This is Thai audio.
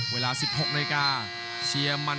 เวลา๑๖นาฬิกาเชียร์มัน